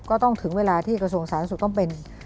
ถึงเวลาที่กระทรวงสาธารณสุขต้องเป็น